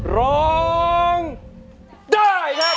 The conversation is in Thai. ร้องได้ให้ร้าน